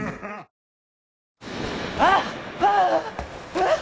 えっ！？